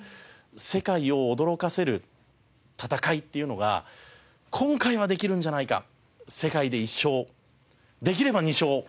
世界を驚かせる戦いっていうのが今回はできるんじゃないか世界で１勝できれば２勝。